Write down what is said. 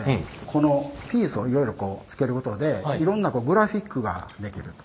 このピースをいろいろつけることでいろんなグラフィックができると。